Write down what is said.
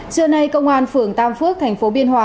chưa nay công an phường tam phước tp biển